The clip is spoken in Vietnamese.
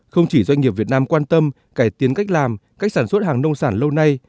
không chỉ doanh nghiệp việt nam quan tâm cải tiến cách làm cách sản xuất hàng nông sản lâu nay